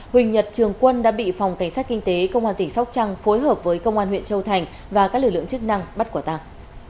huỳnh nhật trường quân đã bị phòng cảnh sát kinh tế công an tỉnh sóc trăng phối hợp với công an huyện châu thành và các lực lượng chức năng bắt quả tàng